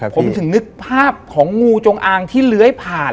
ผมถึงนึกภาพของงูจงอางที่เลื้อยผ่าน